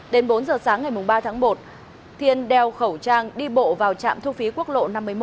đến bốn giờ sáng ngày ba tháng một thiên đeo khẩu trang đi bộ vào trạm thu phí quốc lộ năm mươi một